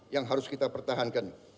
yang harus kita pertahankan